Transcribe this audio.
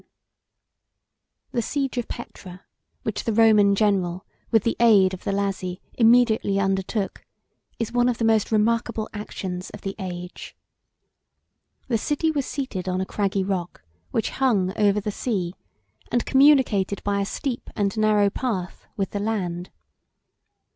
] The siege of Petra, which the Roman general, with the aid of the Lazi, immediately undertook, is one of the most remarkable actions of the age. The city was seated on a craggy rock, which hung over the sea, and communicated by a steep and narrow path with the land.